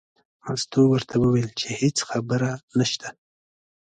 مستو ورته وویل چې هېڅ خبره نشته.